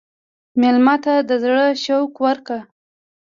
مېلمه ته د زړه شوق ورکړه.